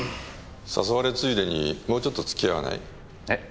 誘われついでにもうちょっと付き合わない？え？